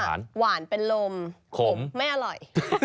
เขาบอกว่าหวานเป็นลมขมไม่อร่อย